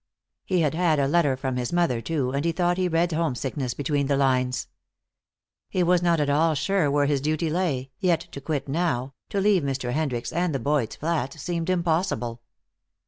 He had had a letter from his mother, too, and he thought he read homesickness between the lines. He was not at all sure where his duty lay, yet to quit now, to leave Mr. Hendricks and the Boyds flat, seemed impossible.